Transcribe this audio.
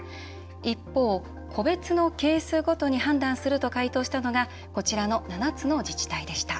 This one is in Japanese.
一方、個別のケースごとに判断すると回答したのがこちらの７つの自治体でした。